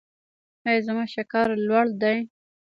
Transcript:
ایا زما شکر لوړ دی؟